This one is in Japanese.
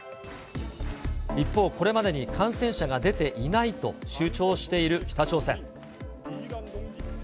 一方、これまでに感染者が出ていないと主張している北朝鮮。